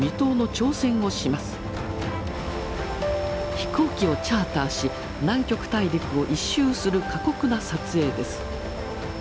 飛行機をチャーターし南極大陸を１周する過酷な撮影です。